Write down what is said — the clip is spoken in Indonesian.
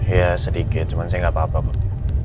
ya sedikit cuman saya gak apa apa kok